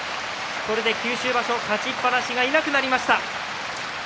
これで九州場所勝ちっぱなしはいなくなりました。